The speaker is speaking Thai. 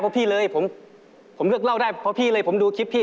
เพราะพี่เลยผมเลือกเล่าได้เพราะพี่เลยผมดูคลิปพี่